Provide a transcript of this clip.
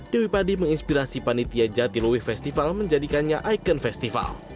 dewi padi menginspirasi panitia jatiluwe festival menjadikannya ikon festival